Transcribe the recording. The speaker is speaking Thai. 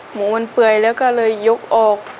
หมูมันเปื่อยแล้วก็เลยยกออก